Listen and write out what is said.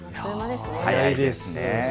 早いですね。